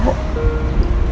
hồ chí minh